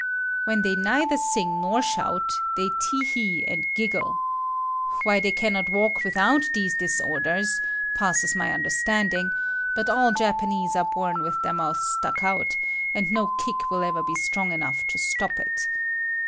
When they neither sing nor shout, they tee hee and giggle. Why they cannot walk without these disorder, passes my understanding, but all Japanese are born with their mouths stuck out, and no kick will ever be strong enough to stop it.